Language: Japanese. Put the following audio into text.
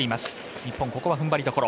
日本ここはふんばりどころ。